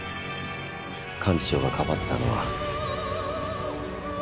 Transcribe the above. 幹事長がかばってたのは。